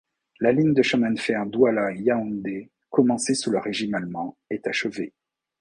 La ligne de chemin de fer Douala-Yaoundé, commencée sous le régime allemand, est achevée.